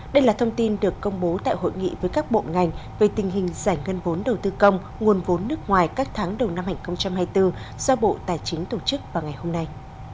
đây là thông tin được công bố tại hội nghị với các bộ ngành về tình hình giải ngân vốn đầu tư công nguồn vốn nước ngoài các tháng đầu năm hai nghìn hai mươi bốn do bộ tài chính tổ chức vào ngày hôm nay